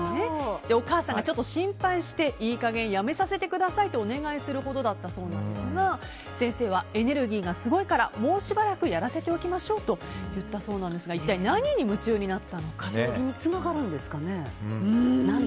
お母さんが心配していい加減やめさせてくださいとお願いするほどだったんですが先生はエネルギーがすごいからもうしばらくやらせておきましょうと言ったそうなんですが一体何に夢中になったのか。